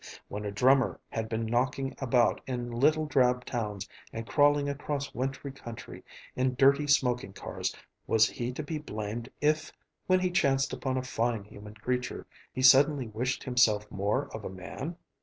When a drummer had been knocking about in little drab towns and crawling across the wintry country in dirty smoking cars, was he to be blamed if, when he chanced upon a fine human creature, he suddenly wished himself more of a man?